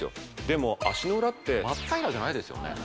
でも足の裏って真っ平らじゃないですよね